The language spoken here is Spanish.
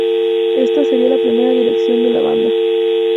Esta sería la primera dirección de la Banda.